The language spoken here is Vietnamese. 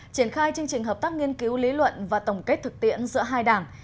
triển khai chương trình hợp tác nghiên cứu lý luận và tổng kết thực tiễn giữa hai đảng